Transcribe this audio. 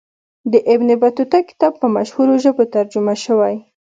د ابن بطوطه کتاب په مشهورو ژبو ترجمه سوی.